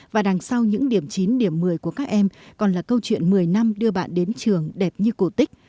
và đằng sau những điểm chín điểm một mươi của các em còn là câu chuyện một mươi năm đưa bạn đến trường đẹp như cổ tích